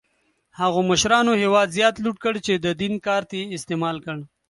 هغو مشرانو هېواد زیات لوټ کړ چې د دین کارت یې استعمال کړ.